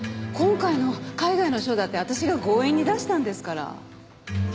今回の海外の賞だって私が強引に出したんですから。